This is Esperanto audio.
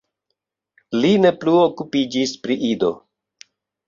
Li ne plu okupiĝis pri Ido.